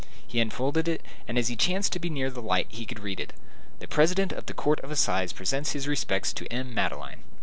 He unfolded it, and as he chanced to be near the light, he could read it. "The President of the Court of Assizes presents his respects to M. Madeleine."